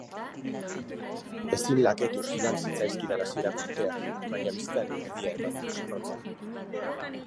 Ezin laketuz joan zitzaizkidan hasierako urteak, baina bizitzaren erdia eman dut Zorrotzan.